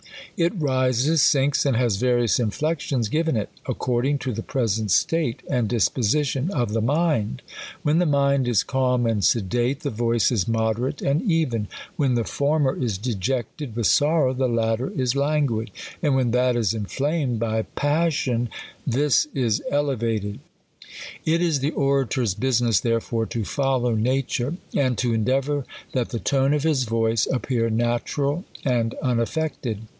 It rises, sinks, and has various inflections given it, according to the present state and disposition of the mind. When the mind is calm and sedate, the voice is moderate and even ; when the former is dejected with sorrow, the latter is languid ; and when that is inflamed by passion, this is elevated. It is the orator's business, therefore, to follow nature, and to endeavour that the tone of his voice appear natural and unaffected.